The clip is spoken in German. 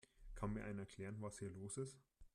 Kann mir einer erklären, was hier los ist?